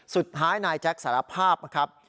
สุดท้ายนายแจ็คสารภาพนะครับ